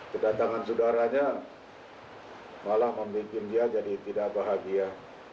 kedatangan saudaranya malah membuat dia jadi tidak bahagia